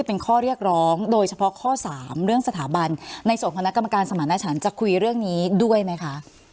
เป็นข้อเรียกร้องโดยเฉพาะข้อ๓เรื่องสถาบันในส่วนของคณะกรรมการสมรรถฉันจะคุยเรื่องนี้ด้วยไหมคะ